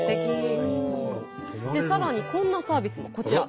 さらにこんなサービスも。こちら。